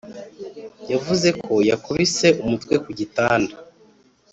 yavuze ko yakubise umutwe ku gitanda